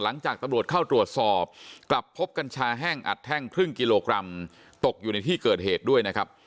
หลังจากตำรวจเข้าตรวจสอบกลับพบกัญชาแห้งอัดแท่งครึ่งกิโลกรัมตกอยู่ในที่เกิดเหตุด้วยนะครับ